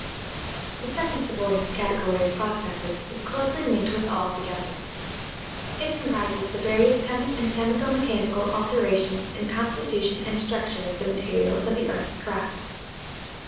The second subordinate category of processes is closely linked with all of the others. It comprises the various chemic and chemico mechanical alterations in constitution and structure of the materials of the earth's crust.